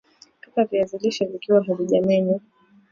pika viazi lishe vikiwa havijamenywa